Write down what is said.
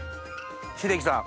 秀樹さん